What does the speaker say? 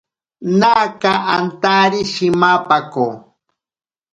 Naaka antari shimapako.